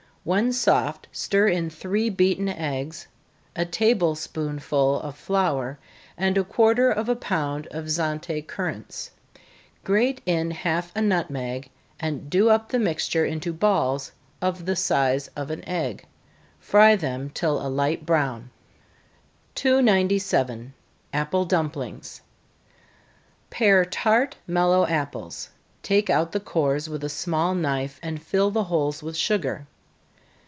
When soft, stir in three beaten eggs, a table spoonful of flour, and a quarter of a pound of Zante currants. Grate in half a nutmeg, and do up the mixture into balls of the size of an egg fry them till a light brown. 297. Apple Dumplings. Pare tart, mellow apples take out the cores with a small knife, and fill the holes with sugar.